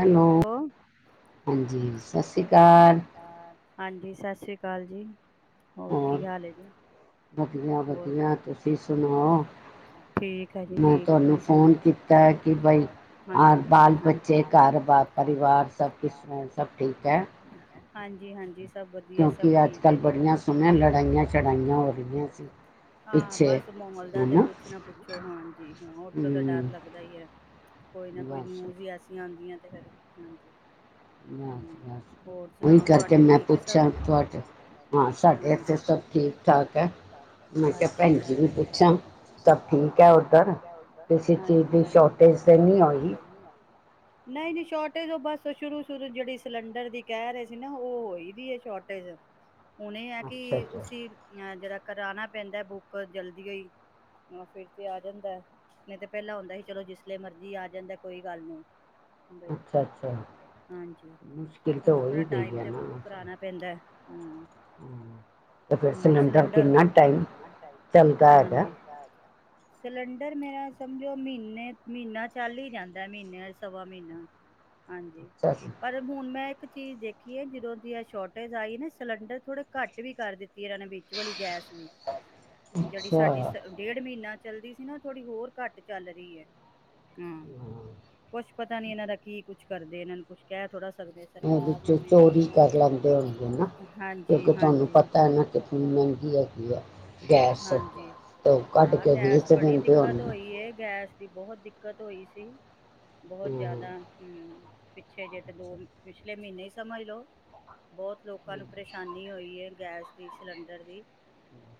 Hello ਹਾਂਜੀ। ਹਾਂਜੀ ਸਤਿ ਸ੍ਰੀ ਕਾਲ ਜੀ। ਹੋਰ ਕੀ ਹਾਲ ਜੀ। ਵਧੀਆ, ਵਧੀਆ ਤੁਸੀਂ ਸੁਣਾਓ ਮੈਂ ਤੁਹਾਨੂੰ ਫੋਨ ਕੀਤਾ ਕਿ ਬਈ ਹਰ ਬਾਲ ਬੱਚੇ ਘਰ ਬਾਰ ਪਰਿਵਾਰ ਸਭ ਕੁ ਹੈ ਸਭ ਠੀਕ ਹੈ। ਹਾਂਜੀ ਹਾਂਜੀ। ਸਭ ਵਧੀਆ ਸਭ ਠੀਕ ਹੈ ਜੀ। ਹਾਂ ਬਸ ਮਲ ਦਾ ਤੇ ਕੁਛ ਨਾ ਕੁਛ ਹਾਂਜੀ ਹਾਂ ਹੋਰ ਤੋਂ ਤਾਂ ਡਰ ਲੱਗਦਾ ਹੀ ਹੈ ਕੋਈ ਨਾ ਕੋਈ ਨਿਊਜ ਐਸੀਆਂ ਮੰਜਿਯਾ ਤੇ ਫੇਰ ਹਾਂਜੀ ਹੋਰ ਸੁਣਾਓ ਤੁਹਾਡੇ ਠੀਕ ਐ ਸੱਬ, ਹਾਂਜੀ ਹਾਂਜੀ ਹ ਹਾਂਜੀ ਹਾਂਜੀ ਸੱਬ ਠੀਕ ਹੈ ਉਦਰ ਕਿਸੀ ਚੀਜ਼ ਦੀ ਸ਼ੋਰਟੇਜ ਤੇ ਨਹੀ ਹੋਈ ਨਹੀਂ ਨਹੀਂ ਸ਼ੋਰਟੇਜ ਉਹ ਬਸ ਸ਼ੁਰੂ ਸ਼ੁਰੂ ਜਿਹੜੀ ਸਿਲੰਡਰ ਦੀ ਕਹਿ ਰਹੇ ਸੀ ਨਾ ਉਹ ਹੋਈ ਦੀ ਸ਼ੋਰਟੇਜ ਹੁਣ ਇਹ ਹੈ ਕਿ ਤੁਸੀ ਜਰਾ ਕਰਾਨਾ ਪੈਂਦਾ ਬੁੱਕ ਜਲਦੀ ਹੋਈ ਫਿਰ ਤੇ ਆ ਜਾਂਦਾ ਏ, ਨਹੀਂ ਤਾਂ ਪਹਿਲਾਂ ਹੁੰਦਾ ਸੀ ਚਲੋ ਜਿਸਲੇ ਮਰਜੀ ਆ ਜਾਂਦਾ ਏ ਕੋਈ ਗੱਲ ਨਹੀਂ। ਅੱਛਾ-ਅੱਛਾ ਮੁਸ਼ਕਿਲ ਤਾਂ ਹੋ ਹੀ ਗਈ ਆ ਨਾ। ਤੇ ਫਿਰ ਸਿਲੰਡਰ ਕਿੰਨਾ ਟਾਈਮ [unintelligible] ਸਿਲੰਡ ਸਿਲੰਡਰ ਮੇਰਾ ਸਮਝੋ ਮਹੀਨੇ ਮਹੀਨਾ ਚੱਲ ਹੀ ਜਾਂਦਾ ਏ, ਮਹੀਨੇ ਸਵਾ ਮਹੀਨਾ। ਹਾਂਜੀ, ਪਰ ਹੁਣ ਮੈਂ ਇੱਕ ਚੀਜ਼ ਦੇਖੀਏ ਜਦੋਂ ਦੀ ਆ ਸ਼ੋਰਟੇਜ ਆਈ ਨਾ ਸਿਲੰਡਰ ਥੋੜ੍ਹੇ ਘੱਟ ਵੀ ਕਰ ਦਿੱਤੀ ਹੈ। ਇਹਨਾਂ ਨੇ ਵਿੱਚ ਵਾਲੀ ਗੈਸ ਵੀ। ਜਿਹੜੀ ਸਾਡੀ ਸ ਡੇਢ ਮਹੀਨਾ ਚੱਲਦੀ ਸੀ ਨਾ ਥੋੜੀ ਹੋਰ ਘੱਟ ਚੱਲ ਰਹੀ ਹੈ। ਹੂ ਕੁਛ ਪਤਾ ਨੀ ਇਹਨਾਂ ਦਾ ਕੀ ਕੁੱਛ ਕਰਦੇ ਨੇ। ਇਹਨਾਂ ਨੂੰ ਕੁਛ ਕਹਿ ਥੋੜਾ ਸਕਦੇ ਸਾਡੀ ਸਰਕਾਰ ਨੂੰ ਵੀ ਨਾ। [unintelligible] ਹਾਂਜੀ, ਹਾਂਜੀ। ਤਵਾਨੁ ਪਤਾ ਹੈ ਨਾ ਹਾਂਜੀ, ਆਹ ਗੈਸ ਬੜੀ ਦਿੱਕਤ ਹੋਈ ਗੈਸ ਦੀ ਬਹੁਤ ਦਿੱਕਤ ਹੋਈ ਸੀ ਬਹੁਤ ਜ਼ਿਆਦਾ, ਹੂ। ਪਿੱਛੇ ਜੇ ਤੇ ਡੋਲ ਵਿਚ ਪਿਛਲੇ ਮਹੀਨੇ ਹੀ ਸਮਝ ਲਓ ਬਹੁਤ ਲੋਕਾਂ ਨੂੰ ਪਰੇਸ਼ਾਨੀ ਹੋਈ ਐ ਗੈਸ ਦੀ ਸਿਲੰਡਰ ਦੀ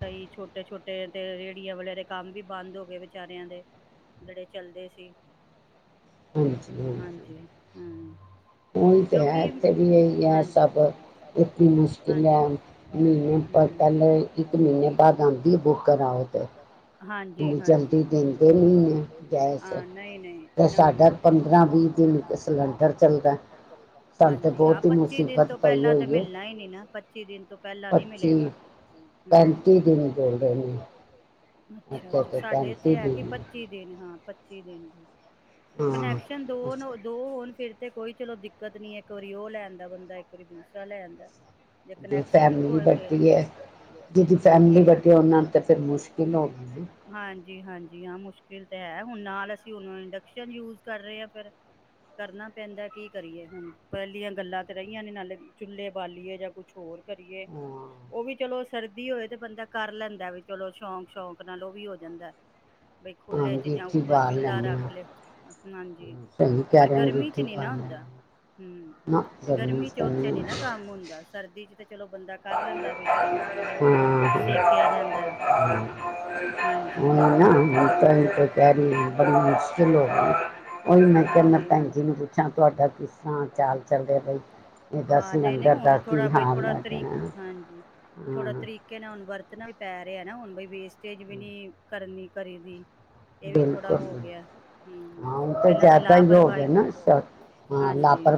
ਕਈ ਛੋਟੇ ਛੋਟੇ ਤੇ ਰੇਹੜੀਆਂ ਵਾਲੇ ਦੇ ਕੰਮ ਵੀ ਬੰਦ ਹੋ ਗਏ ਵਿਚਾਰਿਆਂ ਦੇ ਜਿਹੜੇ ਚੱਲਦੇ ਸੀ ਹਾਂਜੀ ਹਾਂਜੀ ਉਹੀ ਤੇ ਹੈ ਇੱਥੇ ਵੀ ਇਹੀ ਹੈ ਸਭ ਇਨੀ ਮੁਸ਼ਕਿਲ ਹੈ ਮਹੀਨੇ ਪਰ ਪਹਿਲੇ ਇਕ ਇੱਕ ਮਹੀਨੇ ਬਾਦੁੱ ਆਉਂਦੀ ਏ ਬੁਕ ਕਰਾਔ ਤੇ ਹਾਂਜੀ ਹਾਂਜੀ ਹਾਂ ਨਹੀਂ ਨਹੀਂ ਨਾ ਨਾ ਪੰ ਹਾਂਜੀ ਹਾਂ ਪੱਚੀ ਦਿਨ ਤੋਂ ਪਹਿਲਾਂ ਤੇ ਮਿਲਣਾ ਹੀ ਨੀ ਨਾ ਪੱਚੀ ਦਿਨ ਤੋਂ ਪਹਿਲਾਂ ਨੀ ਮਿਲੇਗਾ ਪੈਂਤੀ ਦਿਨ ਬੋਲਦੇ ਨੇ ਅੱਛਾ ਅੱਛਾ ਸਾਡੇ ਇੱਥੇ ਹੈ ਕਿ ਪੱਚੀ ਦਿਨ ਹਾਂ ਪੱਚੀ ਦਿਨ ਦੀ। ਕਨੈਕਸ਼ਨ ਦੋ ਨੋ, ਦੋ ਹੋਣ ਫਿਰ ਤੇ ਕੋਈ ਚਲੋ ਦਿੱਕਤ ਨੀ ਇੱਕ ਵਾਰੀ ਉਹ ਲੈ ਆਦਾ ਬੰਦਾ, ਇੱਕ ਵਾਰੀ ਦੂਸਰਾ ਲੈ ਆਦਾ। ਜੇ ਕਨੈਕਸ਼ਨ ਇੱਕ ਹੋਏ ਫੇਰ, ਫੈਮਲੀ ਵੱਡੇ ਔਨਾਂ ਨੂੰ ਤੇ ਫਿਰ ਮੁਸ਼ਕਿਲ ਹੋ ਜੀ ਹਾਂਜੀ ਹਾਂ ਮੁਸ਼ਕਿਲ ਤਾਂ ਹੈ ਹੁਣ ਨਾਲ ਅਸੀਂ ਹੁਨ ਇੰਡਕਸ਼ਨ ਯੂਜ ਕਰ ਰਹੇ ਹਾਂ ਫਿਰ, ਕਰਨਾ ਪੈਂਦਾ ਕੀ ਕਰੀਏ ਹੁਣ ਪਹਿਲੀਆਂ ਗੱਲਾਂ ਤਾਂ ਰਹੀਆਂ ਨੇ ਨਾਲੇ ਚੁੱਲ੍ਹੇ ਬਾਲੀਏ ਜਾਂ ਕੁਛ ਹੋਰ। ਕਰੀਏ, ਉਹ ਵੀ ਚਲੋ ਵੀ ਹੋਏ ਤੇ ਬੰਦਾ ਕਰ ਲੈਂਦਾ ਵੀ ਚਲੋ ਸ਼ੌਂਕ ਸ਼ੌਕ ਨਾਲ ਉਹ ਵੀ ਹੋ ਜਾਂਦਾ। ਬਈ ਖੁੱਲੇ ਚ ਜਾਂ ਉੱਪਰ ਚੁੱਲਾ ਰੱਖ ਲੇ। ਸਹੀ ਕਹਿ ਰਹੇ ਅੰਗੀਠੀ ਪਾ ਹੁੰ, ਗਰਮੀ ਚ ਉੱਥੇ ਨੀ ਨਾ ਕੰਮ ਹੁੰਦਾ ਸਰਦੀ ਚ ਤੇ ਚਲੋ ਬੰਦਾ ਕਰ ਲੈਂ ਹੁੰਦਾ ਵੀ ਚਲੋ ਨਾਲ ਨਾਲ ਸੇਕਿਆ ਜਾਂਦਾ, ਹਾਂਜੀ, ਹਾਂਜੀ ਹਾਂ, ਹਾਂ ਨਹੀਂ ਨਹੀਂ ਹੁਣ ਥੋੜਾ ਬਈ ਥੋੜਾ ਤਰੀਕਾ ਹਾਂਜੀ, ਥੋੜਾ ਤਰੀਕੇ ਨ ਵਰਤਣਾ ਵੀ ਪੈ ਰਿਹਾ ਨਾ ਹੁਣ ਬਈ ਵੇਸ, ਟੇਜ ਵੀ ਨਹੀਂ ਕਰਨੀ। ਕਰੀ ਦੀ। ਇਹ ਵੀ ਥੋੜਾ ਹੋਗਿਆ ਹਮ, ਪਹਿਲਾਂ ਤਾਂ ਲਾਪਰਵਾ ਹਾਂਜੀ,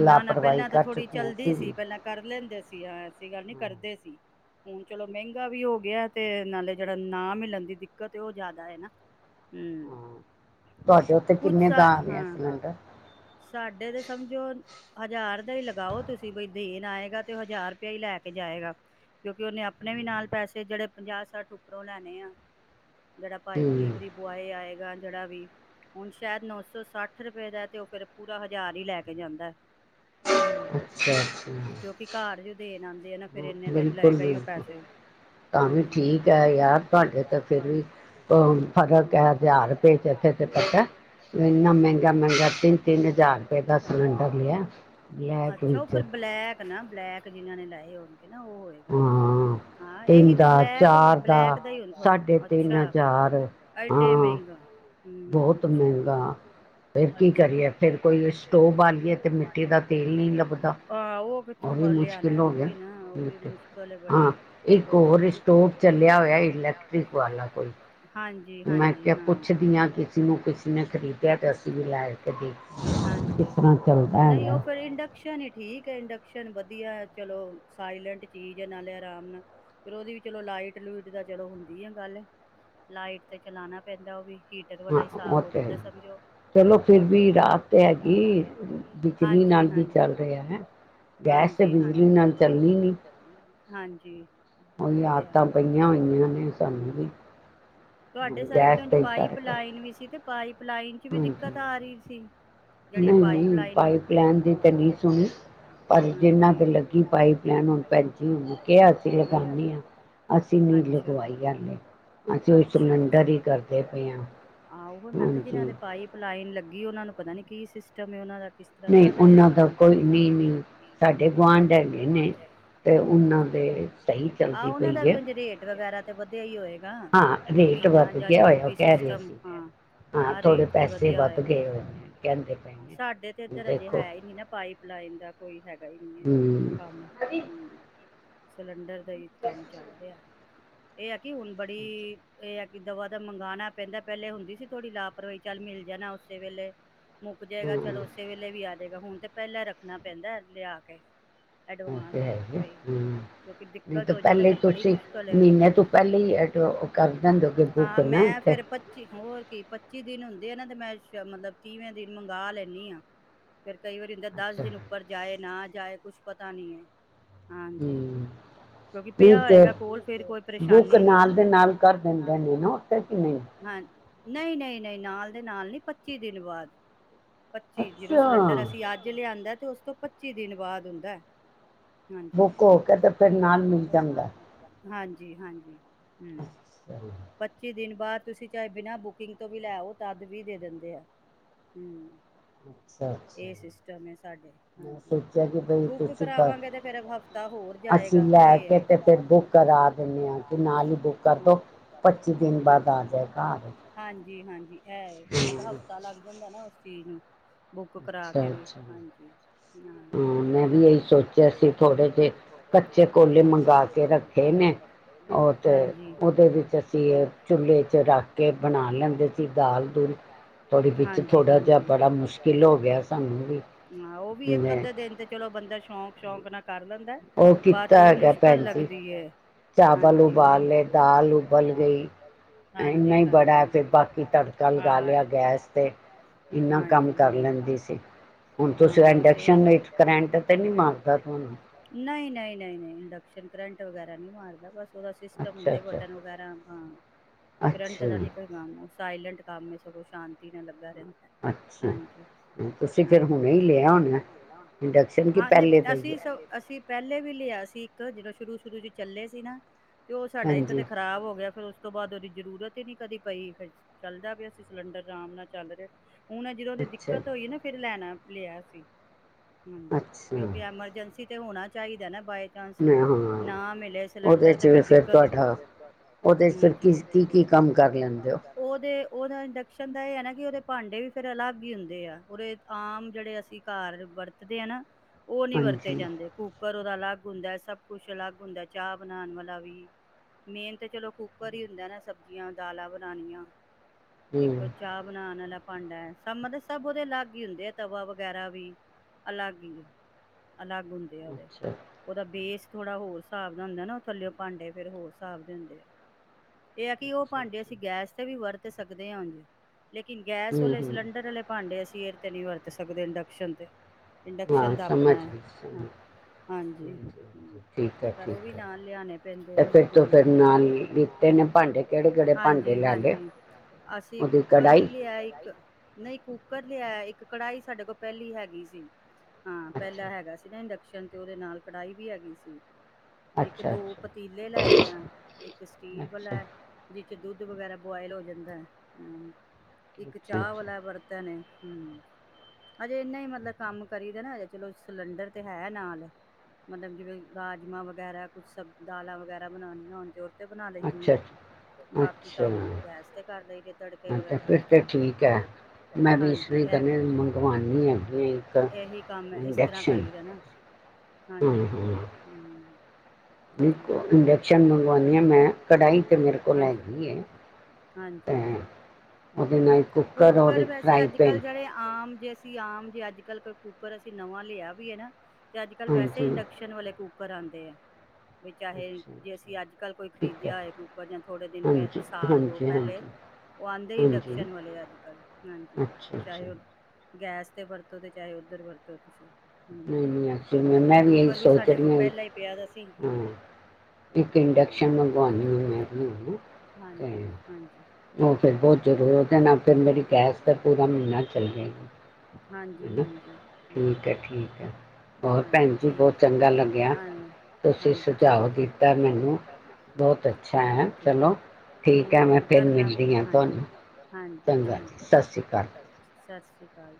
ਨਾ ਨਾ ਪਹਿਲਾਂ ਤਾਂ ਥੋੜੀ ਚਲਦੀ ਸੀ ਪਹਿਲਾਂ ਕਰ ਲੈਂਦੇ ਸੀ ਹ ਨੀ ਕਰਦੇ ਸੀ। ਹੁਣ ਚਲੋ ਮਹਿੰਗਾ ਵੀ ਹੋ ਗਿਆ ਤੇ ਨਾਲੇ ਜਿਹੜਾ ਨਾ ਮਿਲਣ ਦੀ ਦਿੱਕਤ ਉਹ ਜ਼ਿਆਦਾ ਹੈ ਨਾ। ਹ, ਕੁਛ ਸਾ ਹਾਂ, ਸਾਡੇ ਤੇ ਸਮਝੋ ਹਜ਼ਾਰ ਦਾ ਹੀ ਲਗਾਓ ਤੁਸੀਂ ਬਈ ਦੇਣ ਆਏਗਾ ਤੇ ਹਜ਼ਾਰ, ਇਹ ਹੀ ਲੈ ਕੇ ਜਾਏਗਾ। ਕਿਉਂਕਿ ਉਹਨੇ ਆਪਨੇ ਵੀ ਨਾਲ ਪੈਸੇ ਜਿਹੜੇ, ਪੰਜਾਂ ਸੱਠ ਉਪਰੋਂ ਲੈਣੇ ਆ। ਜਿਹੜਾ ਭਾਈ ਡਿਲੀਵਰੀ ਬ੍ਯਾਯ ਆਏਗਾ ਜਿਹੜਾ ਵੀ, ਹੁਣ ਸ਼ਾਇਦ ਨੌ ਸੌ ਸੱਠ ਰੁਪਏ ਦਾ, ਤੇ ਉਹ ਫਿਰ ਪੂਰਾ ਹਜ਼ਾਰ ਹੀ ਲੈ ਕੇ ਜਾਂਦਾ ਹੈ। ਹੂ ਕਿਉਂਕਿ ਘਰ ਜ [unintelligible] ਫਿਰ ਇਨੇ ਤੇ ਲਏਗਾ ਹੀ ਪੈਸੇ। ਹਾਂਜੀ। ਠੀਕ ਯਛਾ ਫ [unintelligible] ਬਲੈਕ ਬਲੈਕ। ਕ ਜਿਨ੍ਹਾਂ ਨੇ ਲਏ ਹੋਣ ਉਹਏਗਾ ਨਾ। ਹਾਂ! ਇਹੀ ਤੇ ਬਲੈਕ, ਬਲੈਕ ਦਾ ਹੀ ਹ ਹੁ ਅੱਛਾ। ਏਡੇ ਮਹਿੰਗਾ। ਬਹੁਤ ਮਹਿੰਗਾ। ਫਿਰ ਕੀ ਕਰੀਏ ਫਿਰ ਕੋਈ ਸਟੋਵ ਬੀਏ ਤੇ। ਮਿੱਟੀ ਦਾ ਤੇਲ ਨਹੀਂ ਲੱਭਦਾ। [inaudible] [unintelligible] ਲਿਆਣਾ ਹੀ ਨਾ ਉਹ ਵੀ ਮੁਸ਼ਕਿਲ ਬੜੀ। ਹੋਰ ਕੀ ਚੱਲਿਆ ਹੋਇਆ ਹਾਂਜੀ। [inaudible] ਜੀ ਹਾਂਜੀ! ਹਾਂ ਹਾਂਜੀ! ਨਹੀਂ! ਉਹ ਫੇਰ ਇੰਡਕਸ਼ਨ ਹੀ ਠੀਕ ਹੈ। ਇੰਡਕਸ਼ਨ ਬ [unintelligible] ਵਧੀਆ! ਚਲੋ ਸਾਈਲੈਂਟ ਚੀਜ਼ ਆ ਨਾਲੇ ਆਰਾਮ ਨਾਲ ਫਿਰ ਉਹਦੀ ਵੀ ਚਲੋ ਲਾਈਟ - ਲੁਇਟ! ਦਾ ਚਲੋ ਹੁੰਦੀ ਆ ਗੱਲ ਲਾਈਟ ਤੇ ਚਲਾਉਣਾ ਪੈਂਦਾ! ਉਹ ਵੀ। ਹੀਟਰ ਵਾਲਾ ਹਿਸਾਬ ਹੋ ਜਾਦਾ ਵ ਸਮਜੋ ਹਾਜੀ ਹਾਜੀ [inaudible] ਹਾਂਜੀ! ਹਾਂਜੀ। ਹਾਂਜੀ! ਉਹਹੀ ਆਦਤਾਂ ਪਈਆਂ ਹੋਈਆਂ ਨੇ ਸਾਨੂੰ ਵੀ। ਤੁਹਾਡੇ ਸਾਈਡ ਚ ਪਾਈਪ ਲਾਈਨ ਵੀ ਸੀ ਤੇ ਪਪ [unintelligible] ਲਾਈਨ ਚ ਵੀ ਦਿੱਕਤ ਆ ਰਹੀ ਸੀ। ਨਹੀਂ! ਨਹੀਂ। ਪਾਈਪ ਲੈਨ ਦੀ ਤਾਂ ਨਹੀਂ ਸੁਣੀ। ਅਛਾ, ਅਛਾ ਅ ਆਹ ਮੈਂ ਕਿਹਾ ਜਿਨਾ ਦੇ ਪਪ ਲਨ ਲਗੀਓਨਾ ਨੂੰ ਪਤਾ ਨੀ। [inaudible] ਸਿਸਟਮ ਉਹਨਾਂ ਇਨਾ ਦਾ। [unintelligible] ਕਿਸ ਤਰ੍ਹਾਂ ਚੱਲ ਰਿਹਾ ਕੰਮ ਉਹਨਾਂ ਤ ਕੋਈ। [unintelligible] ਸਾਡੇ ਗੁਆਂਢ ਹੈਗੇ ਨੇ! ਤੇ ਉਹਨਾਂ ਦੇ ਸਹੀ ਚੱਲਦੀ ਪਈ ਹੈ। ਤੇ ਵਧਆ ਹੀ ਹੋਏਗਾ। [inaudible] ਮਹੀਨਾ ਜਾਂ ਜੋ ਵੀ ਸਿਸਟਮ ਹਾਂ! ਆ ਰੇਟ ਤੇ ਵਧਆ ਹੈਗਾ ਸਾਡੇ ਤੇ ਇਧਰ ਅਜੇ ਹੈ ਹੀ ਨੀ ਨਾ! ਪਾਈਪ ਲਾਈਨ ਦਾ। ਹੈਗਾ ਹੀ ਨਹੀਂੀ ਹੈ ਕੰਮ ਹਮ। ਸਿਲੰਡਰ ਦਾ ਹੀ ਕੰਮ ਚੱਲ ਰਿਹਾ। ਇਹ ਅ [inaudible] ਕਿ ਹੁਣ ਬੜੀ! ਇਹ [unintelligible] ਕਿ ਦਵਾ - ਦਵ ਮੰਗਵਾਉਣਾ ਪੈਂਦਾ! ਪਹਿਲੇ ਹੁੰਦੀ ਸੀ ਥੋੜੀ ਲਾਪਰਵਾਹੀ ਚੱਲ ਮਿਲ ਜਾਣਾ ਉਸੇ ਵੇਲੇ ਮੁੱਕ ਜਾਏਗਾ ਚਲੋ ਉਸੇ ਵੇਲੇ ਵੀ ਆ ਜਾਏਗਾ। ਹੁਣ। ਤੇ ਪਹਿਲਾਂ ਰੱਖਣਾ ਪੈਂਦਾ। ਲਿਆ ਕੇ! ਐਡਵਾਂਸ ਬਈ! ਕਿਉਂਕਿ ਦਿੱਕਤ ਹੋ ਜਾੇ ਤੇ ਫਿਰ ਬੜੀ ਮੁਸ਼ਕਿਲ ਹਾਂ! ਮੈਂ ਫਿਰ ਪੱਚੀ ਹੋਰ ਕੀ ਪੱਚੀ ਦਿਨ ਹੁੰ [inaudible] [unintelligible] ਨਾ ਤੇ ਮੈਂ ਮਤਲਬ ਤੀਵੇ ਦਿਨ ਮੰਗ ਲੈਂਦੀ ਆ। [unintelligible] ਫਰ ਕਈ ਵਾਰੀਦਾ ਦਸ ਦਿਨ [inaudible] ਜਾਏ ਨਾ ਜਾਏ ਕੁਛ ਪਤਾ ਨਹੀਂ ਹੈ। ਹਾਂਜੀ ਕਿਉਂਕਿ ਪਿਆ ਹੋਏਗਾ ਕੋਲ ਫਿਰ ਕੋਈ ਪਰੇਸ਼ਾਨੀ ਨੀ ਨਾ, ਹਾਂਜੀ ਨਹੀਂ-ਨਹੀਂ, ਨਹੀਂ ਨਾਲ ਦੇ ਨਾਲ ਨਹੀਂ ਪੱਚੀ ਦਿਨ ਬਾਦ। ਪੱਚੀ ਜਦੋ ਸਿਲੰਡਰ ਅਸੀਂ ਅੱਜ ਲਿਆਦਾ ਤੋਂ ਪੱਚੀ ਦਿਨ ਬਾਅਦ ਹੁੰਦਾ। ਬੁੱਕ ਹੋ ਕੇ ਤੇ ਫਿਰ ਨਾਲ ਮਿਲ ਜਾਂਦਾ। ਹਾਂਜੀ-ਹਾਂਜੀ। ਹੂ ਪੱਚੀ ਦਿਨ ਬਾਹਰ ਤੁਸੀਂ ਚਾਹੇ ਬਿਨਾਂ ਬੁਕਿੰਗ ਤੋਂ ਵੀ ਲੈ ਆਓ ਤਦ ਵੀ ਦੇ ਦਿੰਦੇ ਆ ਹਮ। ਅੱਛਾ-ਅੱਛਾ। ਹਾਂਜੀ ਬੁੱਕ ਕਰਾਵਾਂਗੇ ਤੇ ਫੇਰ ਹਫਤਾ ਹੋਰ ਜਾਏਗਾ ਇਹ ਆ [inaudible] ਹਾਂਜੀ ਹਾਂਜੀ ਇਹ ਮਤਲਬ ਹਫਤਾ ਲੱਗ ਜਾਂ ਹੈਨਾ ਉਸ ਚੀਜ਼ ਨੂੰ। ਬੁੱਕ ਕਰਾ ਕੇ ਵੀ ਹਾਂਜੀ। ਹਾਂ ਮੈਂ ਵੀ ਇਹੀ ਸੋਚਿਆ ਸੀ ਥੋੜੇ ਜਿਹੇ ਕੱਚੇ ਕੋਲੇ ਮੰਗ ਕੇ ਰੱਖੇ ਨੇ ਉਹ ਤੇ ਉਹਦੇ ਵਿੱਚ ਅਸੀਂ ਚੁੱਲੇ ਚ ਰੱਖ ਕੇ ਬਣਾ ਲੈਂਦੇ ਸੀ ਦਾਲ ਦੂਲ ਥੋੜੀ ਵਿੱਚ ਥੋੜ੍ਹਾ ਜਿਹਾ ਬੜਾ ਮੁਸ਼ ਕਿਲ ਹੋ ਗਿਆ ਸਾਨੂੰ ਵੀ। ਵੀ ਇੱਕ ਅੱਧੇ ਦਿਨ ਤੇ ਚਲੋ ਬੰਦਾ ਸ਼ੌਂਕ-ਸ਼ੌਂਕ ਨਾਲ ਕਰ ਲੈਂਦਾ ਬਾਅਦ ਚੋਂ ਵੀ ਮੁਸ਼ਕਿਲ ਲੱਗਦੀ ਏ। ਹਾਂਜੀ ਉਹੀ ਚਾਵਲ ਉਬਾਲ ਲੇ, ਦਾਲ ਉਬਲ ਗਈ ਇੰਨਾ ਹੀ ਬੜਾ ਤੇ ਬਾਕੀ ਤੜਕਾ ਲਗਾ ਲਿਆ ਗੈਸ ਤੇ। ਹਾਂਜੀ-ਹਾਂਜੀ ਇੰਨਾ ਹੀ ਕੰਮ ਕਰ ਲੈਂਦੀ ਸੀ। ਹਾਂ ਬਸ ਇਨਡਕਸ਼ਨ ਦੇ ਵਿੱਚ ਕਰੰਟ ਤੇ ਨਹੀਂ ਮਾਰਦਾ ਤੁਹਾਨੂੰ? ਨਹੀਂ- ਨਹੀਂ ਇਨਡਕਸ਼ਨ ਕਰੰ ਕਰੰਟ ਵਗੈਰਾ ਨੀ ਮਾਰਦਾ ਬਸ ਉਹਦਾ ਸਿਸਟਮ ਹੁੰਦੇ ਬਟਨ ਵਗੈਰਾ ਹਾਂ ਕਰੰਟ ਦਾ ਨਹੀਂ ਕੋਈ ਕੰਮ। ਸਾਈਲੈਂਟ ਕੰਮ ਹੈ ਸਗੋਂ ਸ਼ਾਂਤੀ ਨਾਲ ਲੱਗਾ ਅੱਛਾ ਤੁਸੀਂ ਫਿਰ ਹੁਣੇ ਹੀ ਲਿਆ [inaudible] ਨਹੀਂ ਅਸੀਂ ਸ ਅਸੀਂ ਪਹਿਲੇ ਵੀ ਲਿਆ ਸੀ ਇੱਕ ਜਦੋਂ ਸ਼ੁਰੂ-ਸ਼ੁਰੂ ਚ ਚੱਲੇ ਸੀ ਨਾ। ਤੇ ਉਹ ਸਾਡਾ ਇੱਕ ਤੇ ਖ਼ਰਾਬ ਹੋ ਗਿਆ ਫਿਰ ਉਸ ਤੋਂ ਬਾਅਦ ਉਹਦੀ ਜ਼ਰੂਰਤ ਹੀ ਨਹੀਂ ਕਦੀ ਪਈ ਚੱਲਦਾ ਪਿਆ ਅਸੀਂ ਸਿਲੰਡਰ ਆਰਾਮ ਨਾਲ ਚੱਲ ਰਿਹਾ ਹੁਣ ਜਦੋਂ ਉਹਦੀ ਦਿੱਕਤ ਹੋਈ ਨਾ ਫਿਰ ਲੈਣਾ ਲਿਆ ਸੀ। ਹਾਂਜੀ ਕਿਉਂਕਿ ਐਮਰਜੈਂਸੀ ਤੇ ਹੋਣਾ ਚਾਹੀਦਾ ਨਾ ਬਏ ਚਾਂਸ ਨਾ ਮਿਲੇ ਸਿਲੰਡਰ ਤੇ ਫਿਰ ਦਿੱਕਤ ਆਉਂਦੀ ਹ ਨਹੀਂ ਬਿਜਨਸ ਉਹਦਾ ਇੰਡਕਸ਼ਨ ਦਾ ਇਹ ਹੈ ਨਾ ਕਿ ਉਹਦੇ ਭਾਂਡੇ ਵੀ ਫੇਿਰ ਅਲੱਗ ਹੀ ਹੁੰਦੇ ਆ ਉਹਦੇ ਆਮ ਜਿਹੜੇ ਅਸੀਂ ਘਰ ਵਰਤਦੇ ਆ ਨਾ! ਉਹ ਨਹੀਂ ਵਰਤੇ ਜਾਂਦੇ ਕੂਕਰ, ੋਂ ਉਦਾਦ ਅਲੱਗ ਹੁੰਦਾ ਸਭ ਕੁੱਛ ਅਲੱਗ ਹੁੰਦਾ ਚਾਹ ਬਣਾਉਣ ਵਾਲਾ ਵੀ ਮੇਨ ਤਾਂ ਚਲੋ ਕੁੱਕਰ ਹੀ ਹੁੰਦਾ ਨਾ ਸਬਜ਼ੀਆਂ ਦਾਲਾਂ ਬਣਾਉਣੀਆਂ ਇੱਕ ਚਾਹ ਬਣਾਉਣ ਵਾਲਾ ਫੰਡ ਸ ਮਤਲਬ ਸਭ ਉਹਦੇ ਅਲੱਗ ਹੀ ਹੁੰਦੇ ਆ ਤਵਾ ਵਗੈਰਾ [unintelligible] ਵੀ ਅਲੱਗ ਹੀ! ਅਲੱਗ ਹੁੰਦੇ ਆ ਉਹਦੇ! ਉਹਦਾ ਬੇਸ ਥੋੜਾ ਹੋਰ ਹਾਬ ਦਾ ਹੁੰਦਾ ਨਾ ਉਹ ਥੱਲਿਓ ਭਾਂਡੇ ਫੇਿਰ ਹੋਰ ਹਾਬ ਦੇ ਹੁੰਦੇ ਆ [unintelligible] ਇਹ ਹੈ! ਕਿ ਉਹ ਭਾਂਡੇ ਅਸੀਂ ਗੈਸ ਤੇ ਵੀ ਵਰਤ ਸਕਦੇ ਹਾਂ ਜੇ [inaudible] ਲੇਕਿਨ! ਗੈਸ ਵਾਲੇ ਸਿਲੰਡਰ ਵਾਲੇ ਭਾਂਡੇ ਅਸੀਂ ਤੇ ਨਹੀਂ ਵਰਤ ਸਕਦੇ [inaudible] ਪਛਦੇ [inaudible] ਇੰਡਕਸ਼ਨ ਦਾ ਆਪਣਾ ਹੈ। ਹਾਂਜੀ ਘੋਂ ਵੀ ਨਾ ਲਿਆਣੇ ਪੈਂਦੇ ਆਜੀ ਹਾਂਜੀ, ਹਾਂਜੀ ਅਸੀਂ ਕੂਕਰ ਵੀ ਲਿਆ ਇੱਕ ਨਹੀਂ ਕੂਕ [unintelligible] ਲਿਆ ਇੱਕ ਕੜਾਾਈ ਸਾਡੇ ਕੋਲ ਪਹਿਲੀ ਹੈਗੀ ਸੀ। ਹਾਂ! ਪਹਿਲਾਂ ਹੈਗਾ ਸੀ ਨਾ ਇੰਡਕਸ਼ਨ। ਲਣ ਤੇ ਉਹਦੇ ਨਾਲ ਕਢਾਈ ਵੀ ਹੈਗੀ ਸੀ [unintelligible] ਇੱਕ ਦੋ ਪਤੀਲੇ ਲਾਏ ਆ ਇੱਕ ਸਟੀਲ ਵਾਲਾ ਜਿਸ ਚ ਦੁੱਧ ਦੁੱਧ ਵਗੈਰਾ ਬੁਆਇਲ ਹੋ ਜਾਂਦਾ ਹੈ। ਹਮ ਇੱਕ ਚਾਹ ਵਾਲਾ ਬਰਤਨ ਹਮ ਹਜੇ ਇੰਨਾ ਹੀ ਮਤਲਬ! ਕੰਮ ਕਰੀ ਦੇ ਨਾ ਹਜੇ। ਚਲੋ! ਸਿਲੰਡਰ ਤਾਂ ਹੈ ਨਾਲ। ਮਤਲਬ ਜਿਵੇਂ ਰਾਜਮਾਂ ਵਗੈਰਾ ਕੁਛ ਸ ਦਾਲਾਂ ਵਗੈਰਾ ਬਣਾਉਣੀਆਂ ਹੋਣ ਤਾਂ ਉਹ ਬਣਾ ਲਈ ਦੀ ਆ! ਬਾਕੀ ਕੰਮ, ਗੈਸ ਤੇ ਕਰ ਲਈ ਦੇ ਤੜਕੇ ਵਗੈਰਾ। ਹਾਂਜੀ! ਇਹ ਆ ਰ ਰ ਰ ਰ ਰ ਰ ਰਗ [inaudible] ਕੜਾਹੀ ਤੇ ਮੇਰੇ ਕੋਲ ਹੈਗੀ ਹੈ। ਤੇ ਉਹਦੇ ਨਾਲ ਕੁੱਕਰ ਔਰ ਇੱਕ ਫਰਾਈ ਪੈਨ। ਅਸੀਂ ਆਮ ਜੇ ਅੱਜ ਕੱਲ ਕੋਈ ਕੁੱਕਰ ਅਸੀਂ ਨਵਾਂ ਲਿਆ ਵੀ ਹੈ ਨਾ ਅਤੇ ਅੱਜ ਕੱਲ੍ਹ ਵੈਸੇ ਇੰਡਕਸ਼ਨ ਵਾਲੇ ਕੁੱਕਰ ਆਉਂਦੇ ਆ। ਵੀ ਚਾਹੇ ਜੇ ਅਸੀਂ ਅੱਜ ਕੱਲ੍ਹ ਕੋਈ ਖ਼ਰੀਦਿਆ ਹੋਏ ਕੂੱਕਰ ਜਾਂ ਥੋੜ੍ਹੇ ਦਿਨ ਪਹਿ ਸਾਲ ਦੋ ਪਹਿਲੇ ਉਹ ਆਉਂਦੇ ਇੰਡਕਸ਼ਨ ਵਾਲੇ ਅੱਜ ਕੱਲ੍ਹ ਹਾਂਜੀ! ਚਾਹੇ ਉਹ ਗੈਸ ਤੇਤੇ ਵਰਤੋ ਤੇ ਚਾਹੇ ਉੱਧਰ ਵਰਤੋ ਤੁਸੀਂ [unintelligible] ਨਹੀਂ ਨਹੀਂ ਐਕਚੁਲੀੈਂ ਮੈਂ ਵੀ ਇਹੀ ਸੋਚ ਰਹੀ ਹਾਂ, ਮੈ ਵੀ ਇੱਕ ਇੰਡਕਸ਼ਨ ਮੰਗਵਾਉਣੀ ਹ ਮੈਂ ਵੀ ਤੇ ਉਹ ਫਿਰ ਬਹੁਤ ਜ਼ਰ ਉਹਦੇ ਨਾਲ ਫਿਰ ਮੇਰੀ ਗੈਸ ਤਾਂ ਪੂਰਾ ਮਹੀਨਾ ਚਲੇ ਰਿ। [unintelligible] ਹਾਂਜੀ-ਹਾਂਜੀ। ਹੂ। ਹਾਂਜੀ ਠੀਕ ਹੈ। ਪੈਂਜੀ ਭੌਤ ਚੰਗਾ ਲਗਿਆ। ਹਾਂਜੀ ਠੀਕ ਹੈ। ਤੁਸੀ ਸੁਝਵ ਦਿੱਤਾ ਮੈਨੂੰ। ਹਾਂਜੀ ਠੀਕ ਹੈ ਜੀ, ਕਰਨਾ ਫਿਰ ਹਾਂਜੀ। ਚੰਗਾ ਜੀ ਸਤਿ ਸ੍ਰੀ ਅਕਾਲ। ਕੱਲ